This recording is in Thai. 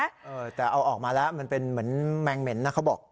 เออแต่เอาออกมาแล้วมันเป็นเหมือนแมงเหม็นนะเขาบอก